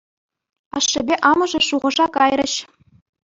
Ашшӗпе амӑшӗ шухӑша кайрӗҫ.